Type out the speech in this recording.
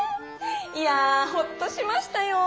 いやホッとしましたよォ。